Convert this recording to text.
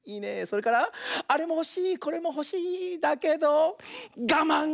それからあれもほしいこれもほしいだけどがまん！